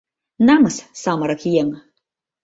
Намыс, самырык еҥ!